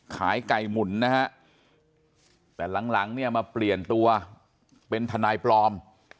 ขายไก่หมุนนะฮะแต่หลังเนี่ยมาเปลี่ยนตัวเป็นทนายปลอม